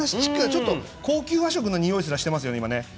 ちょっと高級和食のにおいすら、していますよね。